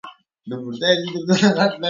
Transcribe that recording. چي لا ورځ ده له دې زياره ګټه واخله